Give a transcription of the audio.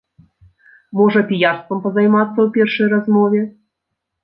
Можа піярствам пазаймацца у першай размове.